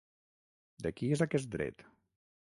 De qui és aquest dret?